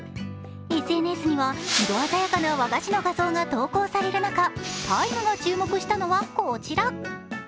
ＳＮＳには色鮮やかな和菓子の画像が投稿される中、「ＴＩＭＥ，」が注目したのはこちら。